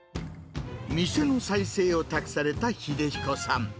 店の再生を託された秀彦さん。